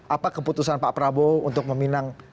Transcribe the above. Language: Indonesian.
apa keputusan pak prabowo untuk meminang